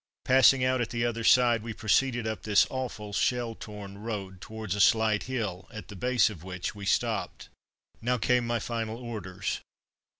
Passing out at the other side we proceeded up this awful, shell torn road, towards a slight hill, at the base of which we stopped. Now came my final orders.